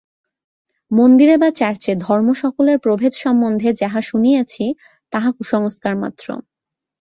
মন্দিরে বা চার্চে ধর্মসকলের প্রভেদ সম্বন্ধে যাহা শুনিয়াছি, তাহা কুসংস্কার মাত্র।